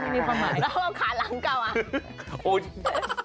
แล้วขาหลังเกาอ่ะ